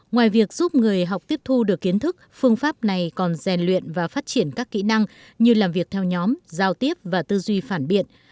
ngoài việc giúp người học tiếp thu được kiến thức phương pháp này còn rèn luyện và phát triển các kỹ năng như làm việc theo nhóm giao tiếp và tư duy phản biện